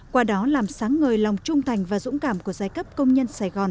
qua đó làm sáng ngời lòng trung thành và dũng cảm của giai cấp công nhân sài gòn